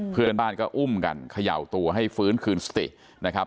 เพื่อนบ้านก็อุ้มกันเขย่าตัวให้ฟื้นคืนสตินะครับ